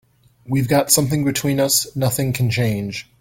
We've got something between us nothing can change.